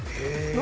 何？